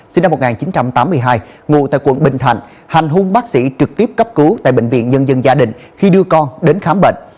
sinh năm một nghìn chín trăm tám mươi hai ngụ tại quận bình thạnh hành hung bác sĩ trực tiếp cấp cứu tại bệnh viện nhân dân gia đình khi đưa con đến khám bệnh